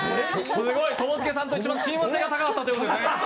ともしげさんと一番親和性が高かったということですね！